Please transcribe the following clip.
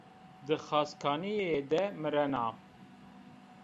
Dixazkanîye de mirena